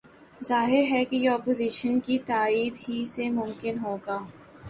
ظاہر ہے کہ یہ اپوزیشن کی تائید ہی سے ممکن ہو گا۔